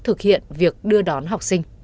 thực hiện việc đưa đón học sinh